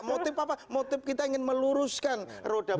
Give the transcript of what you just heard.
motif apa motif kita ingin meluruskan roda